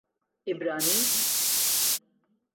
عبرانی